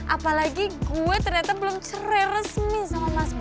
apalagi gue ternyata belum cerai resmi sama mas beka